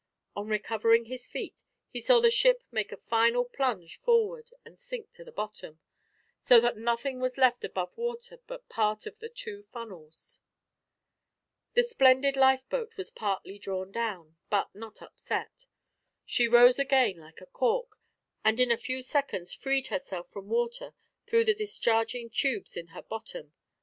On recovering his feet he saw the ship make a final plunge forward and sink to the bottom, so that nothing was left above water but part of the two funnels. The splendid lifeboat was partly drawn down, but not upset. She rose again like a cork, and in a few seconds freed herself from water through the discharging tubes in her bottom.